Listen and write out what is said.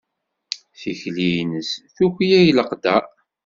Tikli-nnes tuklal leqder.